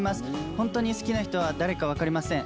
本当に好きな人が誰か分かりません